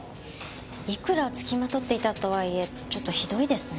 いくら付きまとっていたとはいえちょっとひどいですね。